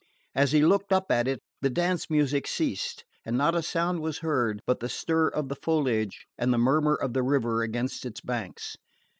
As he looked up at it, the dance music ceased and not a sound was heard but the stir of the foliage and the murmur of the river against its banks.